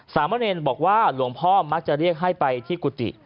สามเณรบอกว่าหลวงพ่อมักจะเรียกให้ไปที่กุฏิ